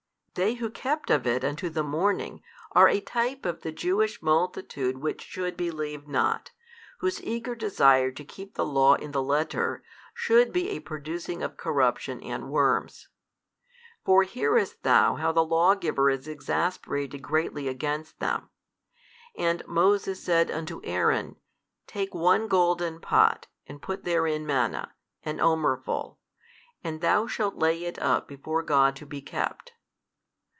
They who kept of it unto the morning are a type of the Jewish multitude which should believe not, whose eager desire to keep the law in the letter, should be a producing of corruption and of worms. For nearest thou how the Lawgiver is exasperated greatly against them? And Moses said unto Aaron, Take one golden pot, and put therein manna, an omer full, and thou shalt lay it up before God to be kept.